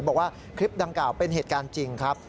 บอกว่าคลิปดังกล่าวเป็นเหตุการณ์จริงครับ